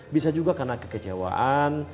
bisa juga karena kekecewaan